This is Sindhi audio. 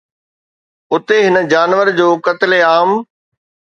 اتي هن جانور جو قتل عام